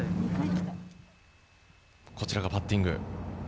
こちらがパッティング。